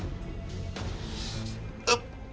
อื้ออ้าว